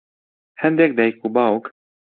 هەندێک دایک و باوک